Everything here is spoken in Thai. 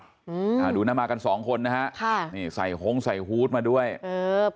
อืมอ่าดูนะมากันสองคนนะฮะค่ะนี่ใส่โฮงใส่ฮูตมาด้วยเออ